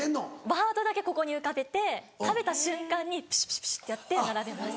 ワードだけここに浮かべて食べた瞬間にピシピシピシってやって並べます。